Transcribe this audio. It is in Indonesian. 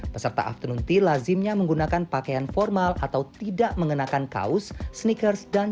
meski kini afternoon tea tak hanya dilakukan kalangan aristokrat acara minum teh ala bangsawan ini masih dibuat